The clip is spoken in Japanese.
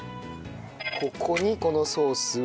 ここにこのソースを。